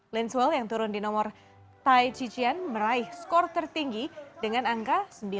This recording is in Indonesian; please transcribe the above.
linzwell yang turun di nomor tai chijian meraih skor tertinggi dengan angka sembilan enam puluh delapan